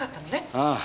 ああ。